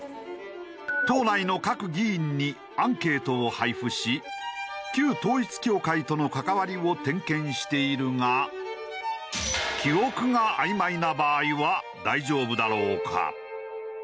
党内の各議員にアンケートを配布し旧統一教会との関わりを点検しているが記憶が曖昧な場合は大丈夫だろうか？